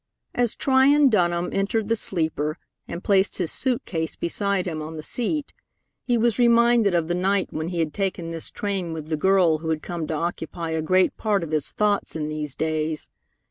As Tryon Dunham entered the sleeper, and placed his suit case beside him on the seat, he was reminded of the night when he had taken this train with the girl who had come to occupy a great part of his thoughts in these days.